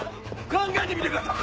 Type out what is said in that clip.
考えてみてください！